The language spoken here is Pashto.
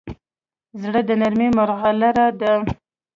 زړه د نرمۍ مرغلره ده.